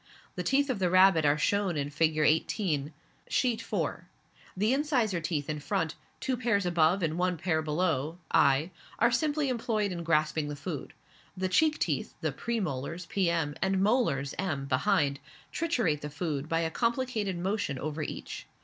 The teeth of the rabbit are shown in Figure XVIII., Sheet 4. The incisor teeth in front, two pairs above and one pair below (i.), are simply employed in grasping the food; the cheek teeth the premolars (pm.) and molars (m.) behind triturate the food by a complicated motion over each.